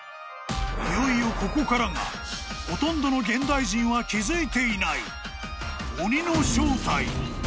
［いよいよここからがほとんどの現代人は気付いていない鬼の正体］